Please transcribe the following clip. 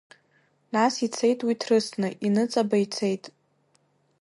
Нас ицеит уи ҭрысны, иныҵаба ицеит.